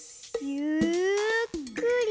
ゆっくり。